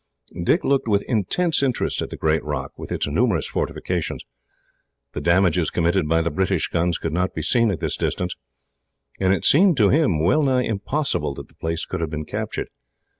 Dick looked with intense interest at the great rock, with its numerous fortifications. The damages committed by the British guns could not be seen at this distance, and it seemed to him well nigh impossible that the place could have been captured.